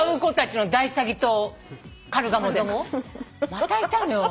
またいたのよ。